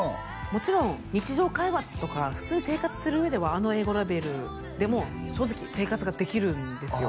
もちろん日常会話とか普通に生活する上ではあの英語レベルでも正直生活ができるんですよ